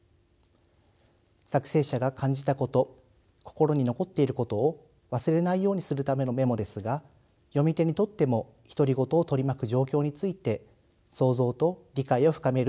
作成者が感じたこと心に残っていることを忘れないようにするためのメモですが読み手にとっても独り言を取り巻く状況について想像と理解を深める手助けになります。